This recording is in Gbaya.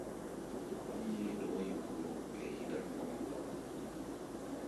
Mí yeé ɗɔɔ́ yi gurum ɓɛɛ híɗʼám gɔ́n.